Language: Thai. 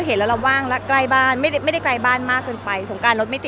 ก็ต้องลุ้นตามเออก็เกลียดเธอทำไมเธอ